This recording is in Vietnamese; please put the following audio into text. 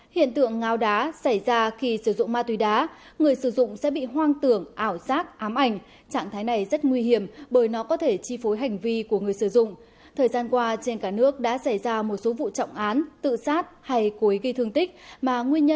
hãy đăng ký kênh để ủng hộ kênh của chúng mình nhé